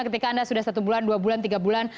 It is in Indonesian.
ketika anda sudah satu bulan dua bulan tiga bulan